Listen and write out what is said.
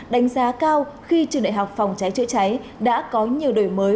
đánh giá cao khi trường đại học phòng cháy chữa cháy đã có nhiều đổi mới